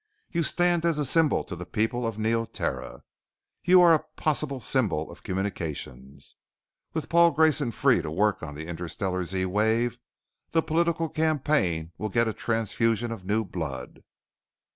You stand as a symbol to the people of Neoterra. You are a possible symbol of communications. With Paul Grayson free to work on the interstellar Z wave, the political campaign will get a transfusion of new blood."